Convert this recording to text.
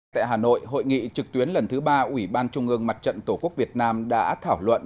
tại hà nội hội nghị trực tuyến lần thứ ba ủy ban trung ương mặt trận tổ quốc việt nam đã thảo luận